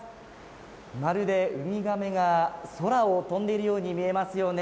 まるでウミガメが空を飛んでいるように見えますよね。